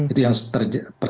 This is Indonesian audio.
itu yang terjadi pada